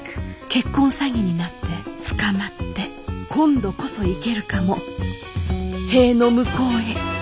結婚詐欺になって捕まって今度こそ行けるかも。